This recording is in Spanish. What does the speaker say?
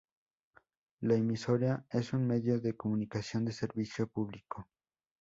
La emisora es un medio de comunicación de servicio público.